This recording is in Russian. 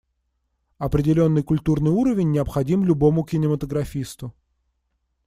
Определенный культурный уровень необходим любому кинематографисту.